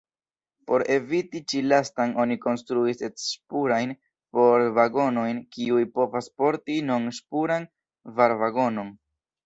Por eviti ĉi-lastan oni konstruis et-ŝpurajn port-vagonojn, kiuj povas porti norm-ŝpuran var-vagonon.